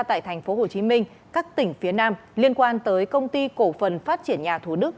tại tp hcm các tỉnh phía nam liên quan tới công ty cổ phần phát triển nhà thủ đức